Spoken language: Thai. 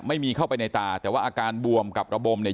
ไม่มีเข้าไปในตาแต่ว่าอาการบวมกับระบมเนี่ย